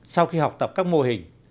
sau khi học tập các mô hình